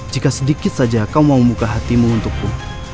jika sedikit saja kau mau membuka hatimu untukku